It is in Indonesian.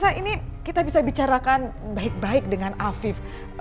nah ini kita bisa bicarakan baik baik dengan afif